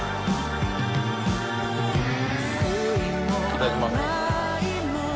いただきます。